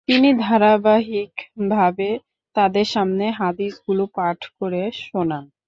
তিনি ধারাবাহিকভাবে তাদের সামনে হাদিসগুলো পাঠ করে শোনান।